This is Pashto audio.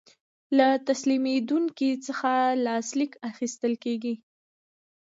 له تسلیمیدونکي څخه لاسلیک اخیستل کیږي.